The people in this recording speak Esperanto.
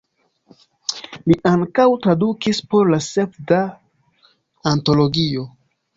Li ankaŭ tradukis por la Sveda Antologio.